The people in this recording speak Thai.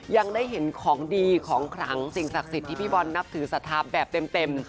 ยังได้เห็นของดีของขลังสิ่งศักดิ์สิทธิ์ที่พี่บอลนับถือศรัทธาแบบเต็ม